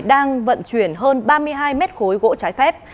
đang vận chuyển hơn ba mươi hai mét khối gỗ trái phép